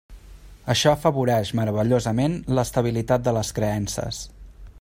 Això afavoreix meravellosament l'estabilitat de les creences.